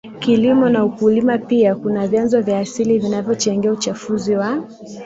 kilimo na ukulima Pia kuna vyanzo vya asili vinavyochangia uchafuzi wa